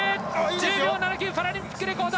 １０秒７９パラリンピックレコード！